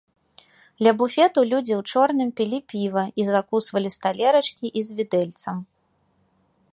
Ля буфету людзі ў чорным пілі піва і закусвалі з талерачкі і з відэльцам.